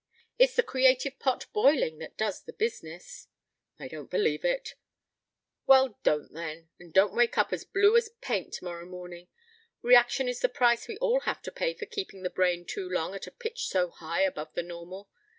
It's the creative pot boiling that does the business." "I don't believe it." "Well, don't, then. And don't wake up as blue as paint tomorrow morning. Reaction is the price we all have to pay for keeping the brain too long at a pitch so high above the normal.